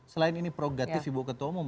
selain ini progratis ibu ketua umum